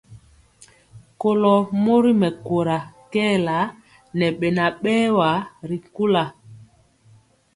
Kɔlo mori mɛkóra kɛɛla ŋɛ beŋa berwa ri kula.